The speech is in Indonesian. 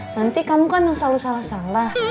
nanti kamu kan selalu salah salah